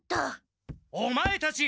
オマエたち！